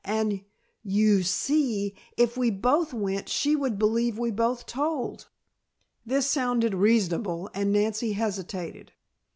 "And, you see, if we both went she would believe we both told." This sounded reasonable and Nancy hesitated.